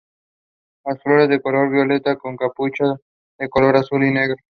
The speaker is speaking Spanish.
Las flores de color violeta con capucha, de color azul y negro.